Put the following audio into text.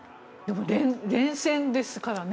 連戦ですからね。